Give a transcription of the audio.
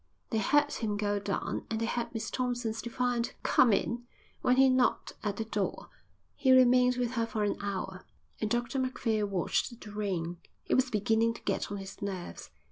They heard him go down and they heard Miss Thompson's defiant "Come in" when he knocked at the door. He remained with her for an hour. And Dr Macphail watched the rain. It was beginning to get on his nerves.